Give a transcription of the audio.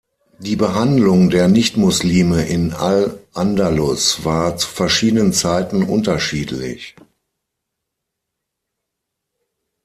Die Behandlung der Nichtmuslime in al-Andalus war zu verschiedenen Zeiten unterschiedlich.